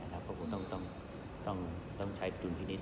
ก็ต้องใช้ดูลพินิต